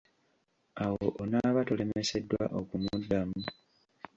Awo onaaba tolemeseddwa okumuddamu?